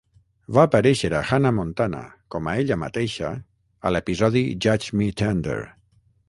Va aparèixer a "Hanna Montana" com a ella mateixa a l'episodi "Judge Me Tender."